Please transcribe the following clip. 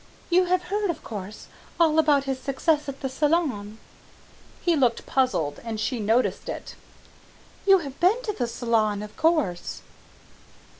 You have heard, of course, all about his success at the Salon?" He looked puzzled and she noticed it. "You have been to the Salon, of course?"